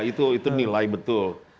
itu itu nilai betul